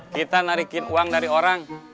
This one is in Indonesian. kita narikin uang dari orang